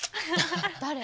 誰？